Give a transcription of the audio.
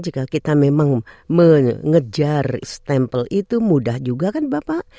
jika kita memang mengejar stempel itu mudah juga kan bapak